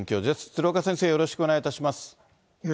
鶴岡先生、よろしくお願いします。